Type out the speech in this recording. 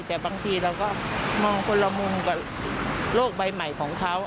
แต่บางทีเราก็มองคนละมุมกับโลกใบใหม่ของเขา